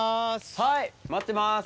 はい待ってます。